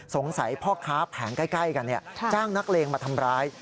สงสัยข้าแผงใกล้กันมาจ้างนักเลงทำร้าย